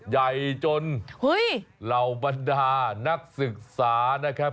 ใหญ่จนเหล่าบรรดานักศึกษานะครับ